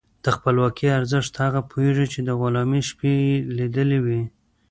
د خپلواکۍ ارزښت هغه پوهېږي چې د غلامۍ شپې یې لیدلي وي.